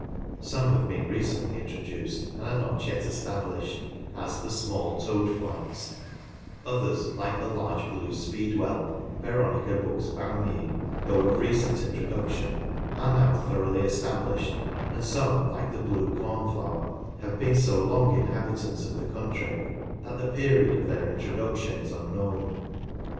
Some have been recently introduced and are not yet established, as the small toad flax, others like the large blue speedwell {Vero nica Buxbaumii), though of recent introduction, are now thoroughly established, and some, like the blue cornflower, have been so long inhabitants of the country that the period of their introduction is unknown.